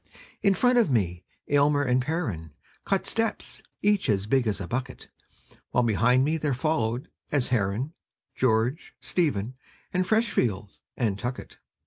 In front of me Almer and Perren Cut steps, each as big as a bucket; While behind me there followed, as Herren, George, Stephen, and Freshfield, and Tuckett.